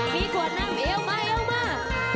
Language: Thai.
มีขวานน้ำเอ้วมาเอ้วมา